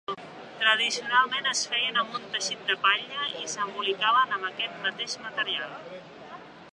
Tradicionalment es feien amb un teixit de palla, i s'embolicaven amb aquest mateix material.